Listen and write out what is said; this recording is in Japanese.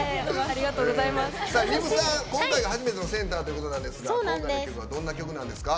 丹生さん、今回、初めてのセンターということなんですが今回の曲はどんな曲なんですか？